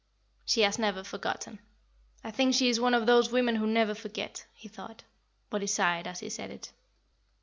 "She has never forgotten. I think she is one of those women who never forget," he thought; but he sighed as he said it.